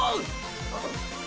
あっ。